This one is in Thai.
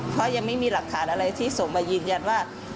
เพราะยังไม่มีหลักฐานอะไรที่ส่งมายืนยันว่า